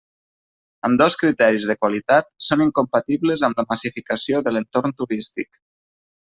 Ambdós criteris de qualitat són incompatibles amb la massificació de l'entorn turístic.